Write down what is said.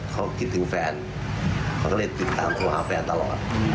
เขาคิดถึงแฟนเขาก็เลยติดตามโทรหาแฟนตลอด